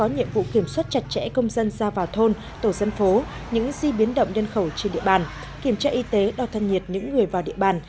nhật trẻ công dân ra vào thôn tổ dân phố những di biến động nhân khẩu trên địa bàn kiểm tra y tế đo thân nhiệt những người vào địa bàn